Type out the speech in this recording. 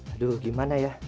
aduh gimana ya